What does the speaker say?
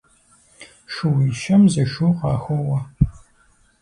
Шууищэм зы шу къахоуэ.